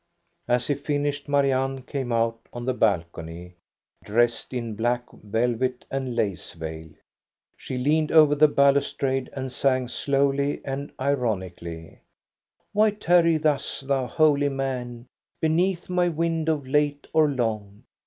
As he finished, Marianne came out on the balcony, dressed in black velvet aiid lace veil. She leaned over the balustrade and sang slowly and ironically :" Why tarry thus, thou holy man Beneath my window late or long